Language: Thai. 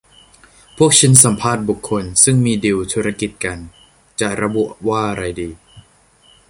พวกชิ้นสัมภาษณ์บุคคล ซึ่งมีดีลธุรกิจกัน จะระบุว่าอะไรดี